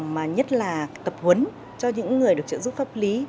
mà nhất là tập huấn cho những người được trợ giúp pháp lý